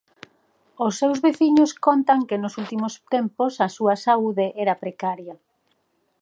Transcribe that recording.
Os seus veciños contan que nos últimos tempos a súa saúde era precaria.